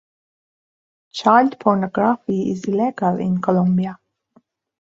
Child pornography is illegal in Colombia.